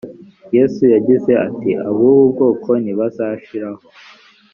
yesu yagize ati ab ubu bwoko ntibazashira o